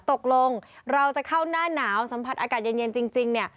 ตกลงเราจะเข้าหน้าหนาวสัมผัสอากาศเย็นจริงเนี่ย